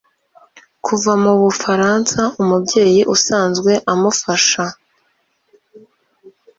Kuva mu Bufaransa Umubyeyi usanzwe amufasha